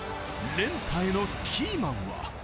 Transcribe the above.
連覇へのキーマンは。